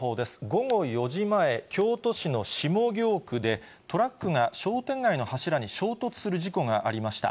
午後４時前、京都市の下京区で、トラックが商店街の柱に衝突する事故がありました。